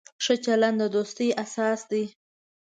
ښه چلند د دوستۍ اساس دی.